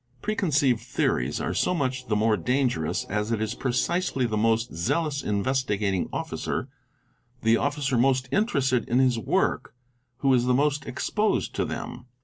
Preconceived theories are so much the i more dangerous as it is precisely the most zealous Investigating Officer, the officer most interested in his work, who is the most exposed to them.